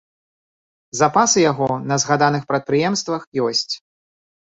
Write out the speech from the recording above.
Запасы яго на згаданых прадпрыемствах ёсць.